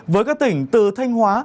với các tỉnh từ thanh hóa